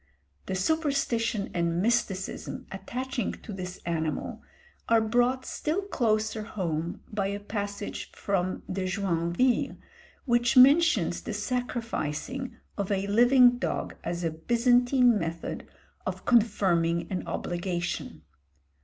The superstition and mysticism attaching to this animal are brought still closer home by a passage from De Joinville, which mentions the sacrificing of a living dog as a Byzantine method of confirming an obligation.